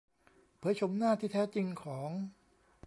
เผยโฉมหน้าที่แท้จริงของ